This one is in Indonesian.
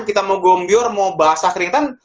kita mau gombyor mau basah keringetan